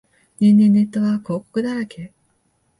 年々ネットは広告だらけ